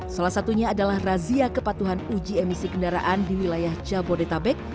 salah satunya adalah razia kepatuhan uji emisi kendaraan di wilayah jabodetabek